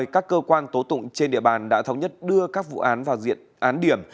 các cơ quan tố tụng trên địa bàn đã thống nhất đưa các vụ án vào diện án điểm